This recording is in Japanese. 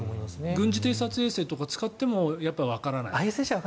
軍事偵察衛星とかを使ってもわからない？